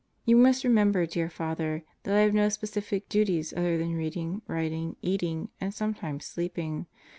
You must remember, dear Father, that I have no specific duties other than reading, writ ing, eating, and sometimes sleeping.